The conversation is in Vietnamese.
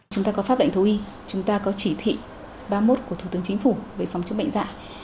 chúng ta có pháp lệnh thấu y chúng ta có chỉ thị ba mươi một của thủ tướng chính phủ về phòng chống bệnh dạy